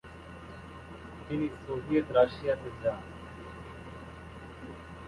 তিনি সোভিয়েত রাশিয়াতে যান।